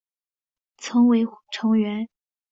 曾为成员。